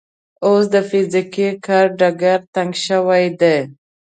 اوس د فزیکي کار ډګر تنګ شوی دی.